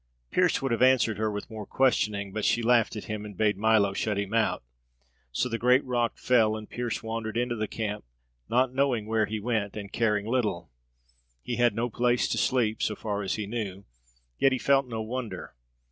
Pearse would have answered her with more questioning, but she laughed at him, and bade Milo shut him out. So the great rock fell, and Pearse wandered into the camp, not knowing where he went, and caring little. He had no place to sleep, so far as he knew; yet he felt no wonder.